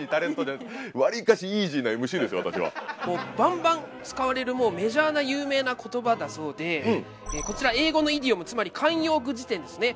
バンバン使われるメジャーな有名なコトバだそうでこちら英語のイディオムつまり慣用句辞典ですね。